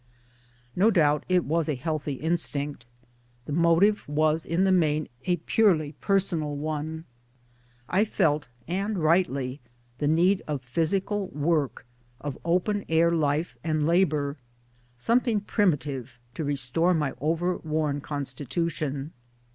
No doubt it was a healthy instinct. The motive was in the main a purely personal one. I felt (and rightly) the need of physical work, of open air life and labour something primitive to restore my over worn constitution.